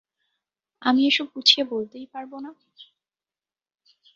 আমি এসব গুছিয়ে বলতেই পারব না।